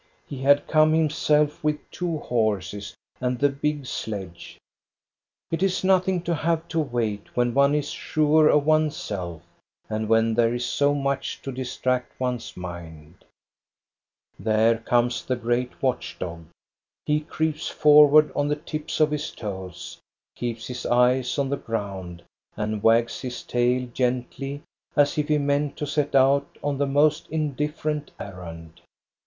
He had come himself with two horses and the big sledge. It is nothing to have to wait when one is sure of THE AUCTION AT BJORNE 1 59 one's self, and when there is so much to distract one's mind. There comes the great watch dog. He creeps for ward on the tips of his toes, keeps his eyes on the ground, and wags his tail gently, as if he meant to set out on the most indifferent errand.